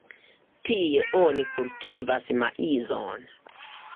Tie oni kultivas maizon.